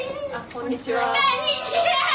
こんにちは！